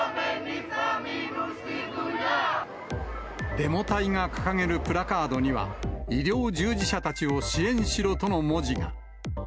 デモ隊が掲げるプラカードには、医療従事者たちを支援しろとの文